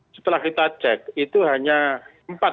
setelah kita cek itu hanya